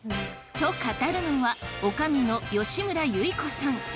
と語るのはおかみの吉村由依子さん。